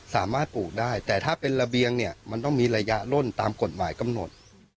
ปลูกได้แต่ถ้าเป็นระเบียงเนี่ยมันต้องมีระยะล่นตามกฎหมายกำหนด